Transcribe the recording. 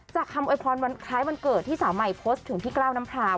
คำโวยพรวันคล้ายวันเกิดที่สาวใหม่โพสต์ถึงพี่กล้าวน้ำพราว